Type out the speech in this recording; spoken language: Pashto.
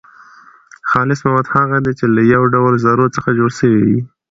خالص مواد هغه دي چي له يو ډول ذرو څخه جوړ سوي وي.